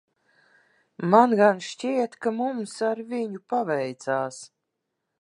Man gan šķiet, ka mums ar viņu paveicās.